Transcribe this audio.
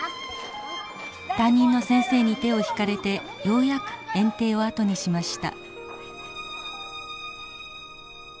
担任の先生に手を引かれてようやく園庭を後にしました。